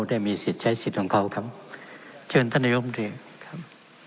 ได้มีสิทธิ์ใช้สิทธิ์ของเขาครับเชิญท่านนายกรมตรีครับ